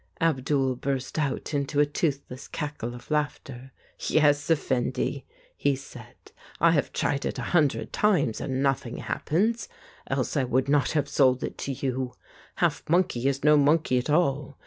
Abdul burst out into a toothless cackle of laughter. "Yes, effendi," he said. "I have tried it a hun dred times, and nothing happens. Else I would not have sold it you. Half monkey is no monkey at all.